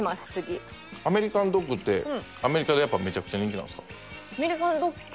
アメリカンドッグってアメリカでやっぱめちゃくちゃ人気なんですか？